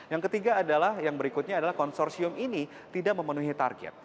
yang ketiga adalah yang berikutnya adalah konsorsium ini tidak memenuhi target